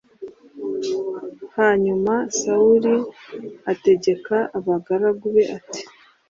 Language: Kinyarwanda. hanyuma sawuli ategeka abagaragu be ati